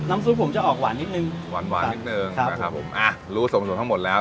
น้ำซุปผมจะออกหวานนิดหนึ่งหวานหวานนิดหนึ่งครับผมมาครับผมอ่ะรู้สมสมทั้งหมดแล้ว